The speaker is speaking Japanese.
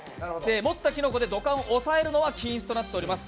持ったきのこで土管を押さえるのは禁止となっています。